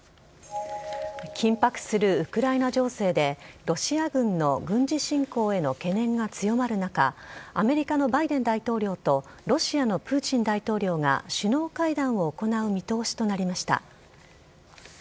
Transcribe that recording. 緊迫するウクライナ情勢で、ロシア軍の軍事侵攻への懸念が強まる中、アメリカのバイデン大統領とロシアのプーチン大統領が首脳会談を行う見通しとなりました。